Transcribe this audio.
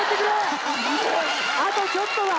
あとちょっとだ！